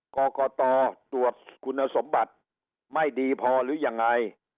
กรกตตรวจคุณสมบัติไม่ดีพอหรือยังไง